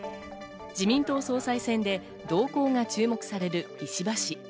自民党総裁選で動向が注目される石破氏。